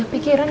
kenapa ini runy